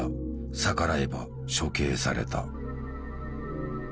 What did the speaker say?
逆らえば処刑された。